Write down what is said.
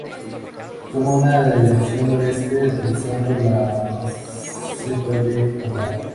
Toma una dirección noroeste atravesando la meseta de Aldán.